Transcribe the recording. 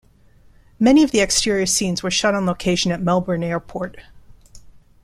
Many of the exterior scenes were shot on location at Melbourne Airport.